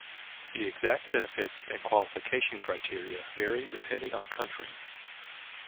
The exact benefits and qualification criteria vary depending on country.